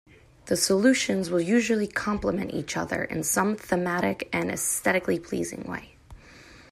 The solutions will usually complement each other in some thematic and aesthetically pleasing way.